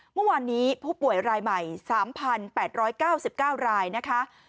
เมื่อวานนี้ผู้ป่วยรายใหม่๓๘๙๙รายนะคะ